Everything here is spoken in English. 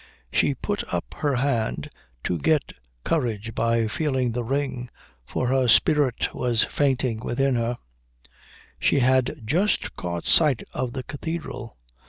She put up her hand to get courage by feeling the ring, for her spirit was fainting within her she had just caught sight of the cathedral.